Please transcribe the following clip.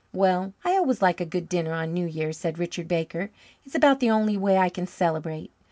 "Well, I always like a good dinner on New Year's," said Richard Baker. "It's about the only way I can celebrate.